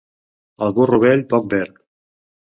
Al burro vell, poc verd.